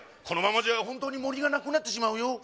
このままじゃ本当に森がなくなってしまうよ